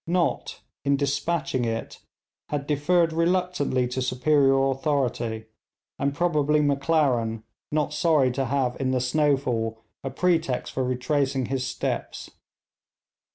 Nott in despatching it had deferred reluctantly to superior authority, and probably Maclaren not sorry to have in the snowfall a pretext for retracing his steps.